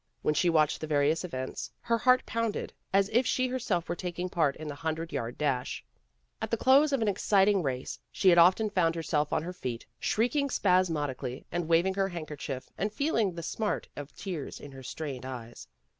When she watched the various events her heart pounded as if she herself were taking part in the hundred yard dash. At the close of an exciting race, she had often found herself on her feet, shrieking spasmodically, and waving her handkerchief, and feeling the smart of tears in her strained eyes.